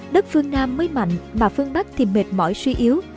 đất phương nam mới mạnh mà phương bắc thì mệt mỏi suy yếu